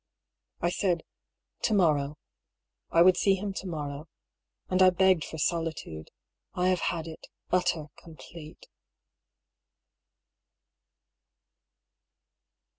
I said, " To morrow." I would see him to morrow. And I begged for solitude. I have had it — utter, com plete.